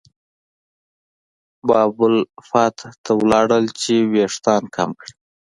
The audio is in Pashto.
باب الفتح ته لاړل چې وېښتان کم کړي.